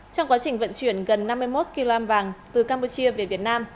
trong quá trình vận chuyển gần năm mươi một kg vàng từ campuchia về việt nam